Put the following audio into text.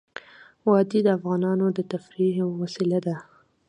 وادي د افغانانو د تفریح یوه وسیله ده.